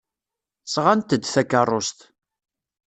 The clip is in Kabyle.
Sɣant-d takeṛṛust.